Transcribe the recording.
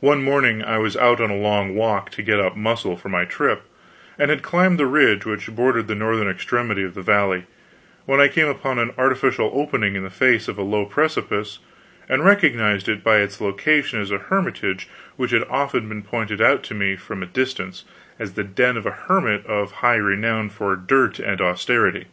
One morning I was out on a long walk to get up muscle for my trip, and had climbed the ridge which bordered the northern extremity of the valley, when I came upon an artificial opening in the face of a low precipice, and recognized it by its location as a hermitage which had often been pointed out to me from a distance as the den of a hermit of high renown for dirt and austerity.